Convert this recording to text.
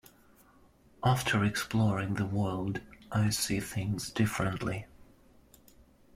After exploring the world I see things differently.